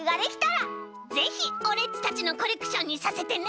ぜひオレっちたちのコレクションにさせてね！